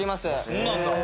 そうなんだ。